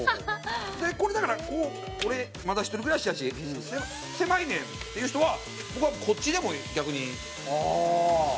これ、だから俺、まだ一人暮らしやし狭いねんっていう人はこっちでも、逆に。